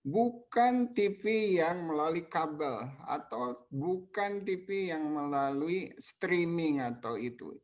bukan tv yang melalui kabel atau bukan tv yang melalui streaming atau itu